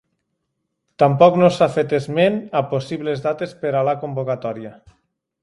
Tampoc no s’ha fet esment a possibles dates per a la convocatòria.